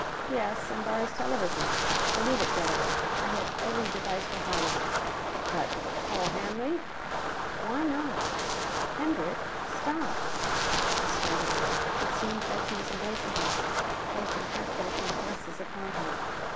"Yes, and bar his television. Believe it, Jetta. I have every device for hiding. But call Hanley!" "Why not? ... Hendrick, stop!" I started. It seemed that he was embracing her; forcing half drunken caresses upon her.